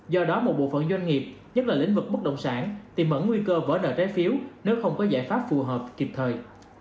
do đó một bộ phận doanh nghiệp nhất là lĩnh vực bất động sản tìm mở nguy cơ vỡ nợ trái phiếu nếu không có giải pháp phù hợp kịp thời